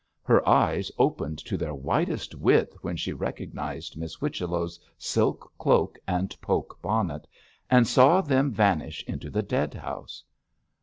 Her eyes opened to their widest width when she recognised Miss Whichello's silk cloak and poke bonnet, and saw them vanish into the dead house.